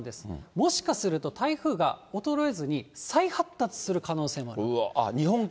もしかすると台風が衰えずに、再発達する可能性もある。